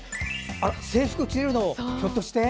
制服着てるのひょっとして？